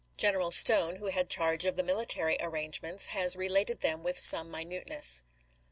General Stone, who had charge of the military arrange ments, has related them with some minuteness.